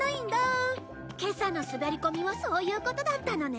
今朝の滑り込みはそういうことだったのね。